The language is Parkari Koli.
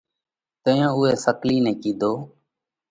تئيون اُوئہ سڪلِي نئہ ڪِيڌو: